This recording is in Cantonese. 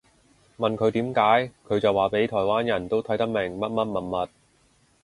問佢點解佢就話畀台灣人都睇得明乜乜物物